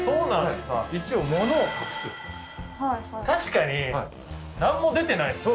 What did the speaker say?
確かに何も出てない。